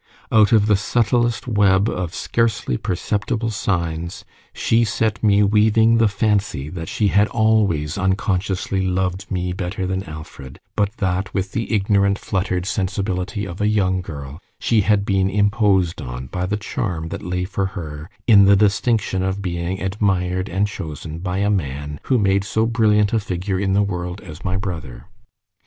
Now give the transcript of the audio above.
Out of the subtlest web of scarcely perceptible signs, she set me weaving the fancy that she had always unconsciously loved me better than Alfred, but that, with the ignorant fluttered sensibility of a young girl, she had been imposed on by the charm that lay for her in the distinction of being admired and chosen by a man who made so brilliant a figure in the world as my brother.